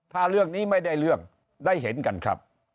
ถ้าเรื่องนี้ไม่ได้เรื่องได้เห็นกันครับ